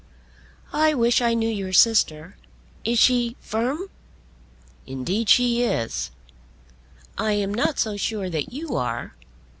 "I wish I knew your sister. Is she firm?" "Indeed she is." "I am not so sure that you are."